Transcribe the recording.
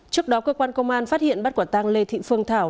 trước đó cơ quan công an phát hiện bắt quản tăng lê thị phương thảo